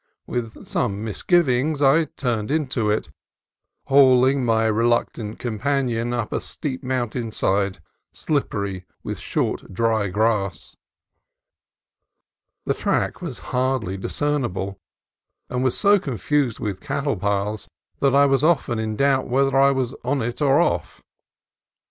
With some misgivings I turned into it, hauling my reluctant companion up a steep mountain side, slippery with short dry grass. The track was hardly discernible, and was so confused with cattle paths that I was often in doubt whether I was on it or off.